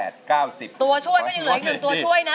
ตัวช่วยก็ยังเหลืออีก๑ตัวช่วยนะ